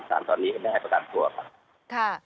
สารตอนนี้ก็ไม่ให้ประกันตัวค่ะ